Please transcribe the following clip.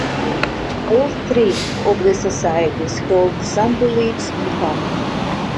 All three of the Societies held some beliefs in common.